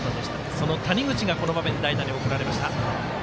その谷口がこの場面、代打で送られました。